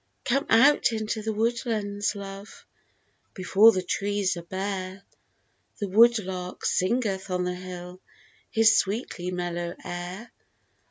COME out into the woodlands, love, Before the trees are bare ; The woodlark singeth on the hill His sweetly mellow air.